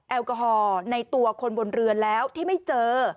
แอลกอฮอล์ในตัวคนบนเรือแล้วที่ไม่เจอ